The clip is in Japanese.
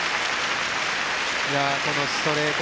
このストレート